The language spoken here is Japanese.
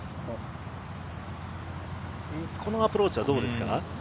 このアプローチはどうですか？